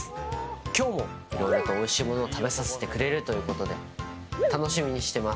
今日も、おいしいものを食べさせてくれるということで楽しみにしています。